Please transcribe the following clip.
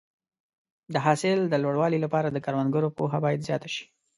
د حاصل د لوړوالي لپاره د کروندګرو پوهه باید زیاته شي.